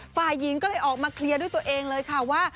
ฝ่ายหญิงก็เลยออกมาเคลียร์ด้วยตัวเองเลยค่ะว่า